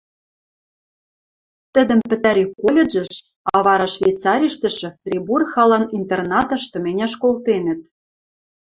Тӹдӹм пӹтӓри колледжӹш, а вара Швейцариштӹшӹ Фрибур халан интернатыш тыменяш колтенӹт.